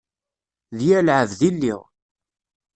D yir lɛebd i lliɣ.